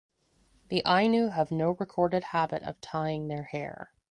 The Ainu have no recorded habit of tying their hair.